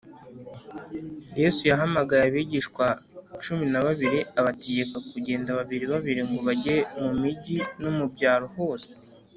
yesu yahamagaye abigishwa cumi na babiri, abategeka kugenda babiri babiri, ngo bajye mu mijyi no mu byaro hose